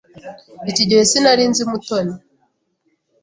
Icyo gihe sinari nzi Mutoni.